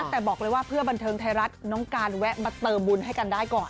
แต่บอกเลยว่าเพื่อบันเทิงไทยรัฐน้องการแวะมาเติมบุญให้กันได้ก่อน